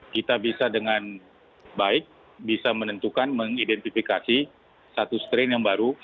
kita bisa dengan baik bisa menentukan mengidentifikasi satu strain yang baru